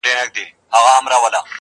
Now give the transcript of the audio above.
یوه ورځ عطار د ښار د باندي تللی-